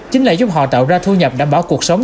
chính là giúp họ tạo ra thu nhập đảm bảo cuộc sống